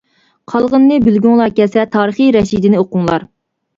قالغىنىنى بىلگۈڭلار كەلسە تارىخىي رەشىدىنى ئوقۇڭلار.